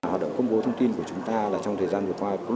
hoạt động công bố thông tin của chúng ta là trong thời gian vừa qua